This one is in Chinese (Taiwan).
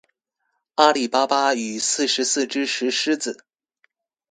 阿里巴巴與四十四隻石獅子